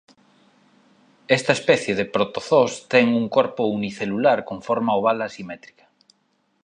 Esta especie de protozoos ten un corpo unicelular con forma oval asimétrica.